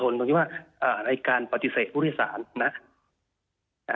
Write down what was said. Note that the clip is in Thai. ผมคิดว่าในการปฏิเสธผู้โดยสารนะ